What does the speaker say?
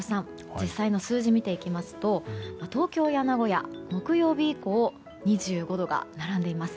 実際の数字を見ていきますと東京や名古屋、木曜日以降２５度が並んでいます。